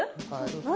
何？